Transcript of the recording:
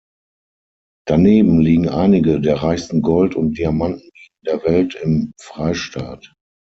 Daneben liegen einige der reichsten Gold- und Diamantenminen der Welt im Freistaat.